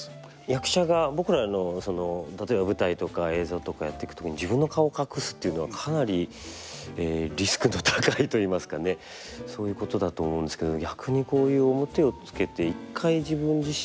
役者が僕らの例えば舞台とか映像とかやっていく時に自分の顔隠すっていうのはかなりリスクの高いといいますかねそういうことだと思うんですけど。